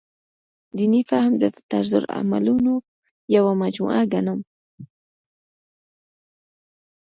دیني فهم د طرزالعملونو یوه مجموعه ګڼم.